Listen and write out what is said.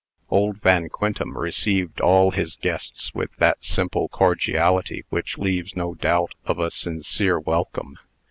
Old Van Quintem received all his guests with that simple cordiality which leaves no doubt of a sincere welcome.